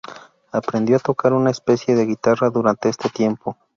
Aprendió a tocar una especie de guitarra durante este tiempo.